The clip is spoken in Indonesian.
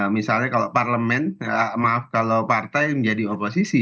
misalnya kalau partai menjadi oposisi